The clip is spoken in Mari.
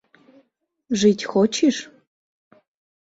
Жить хочиш?!